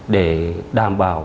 để đảm bảo